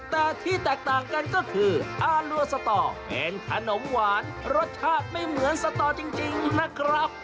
แต่ที่แตกต่างกันก็คืออารัวสตอเป็นขนมหวานรสชาติไม่เหมือนสตอจริงนะครับ